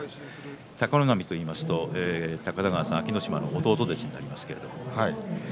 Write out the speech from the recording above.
貴ノ浪といいますと高田川さん弟弟子になりますね。